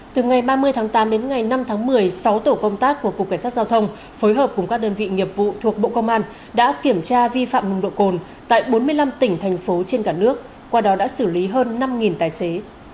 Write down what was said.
từ ngày ba mươi tháng tám đến ngày năm tháng một mươi sáu tổ công tác của cục cảnh sát giao thông phối hợp cùng các đơn vị nghiệp vụ thuộc bộ công an đã kiểm tra vi phạm nồng độ cồn tại bốn mươi năm tỉnh thành phố trên cả nước qua đó đã xử lý hơn năm tài xế